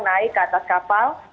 naik ke atas kapal